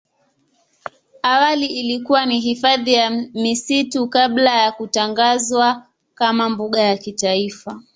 Awali ilikuwa ni hifadhi ya misitu kabla ya kutangazwa kama mbuga ya kitaifa.